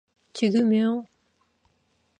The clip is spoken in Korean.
조금요.